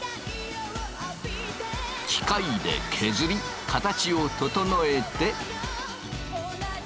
機械で削り形を整えて。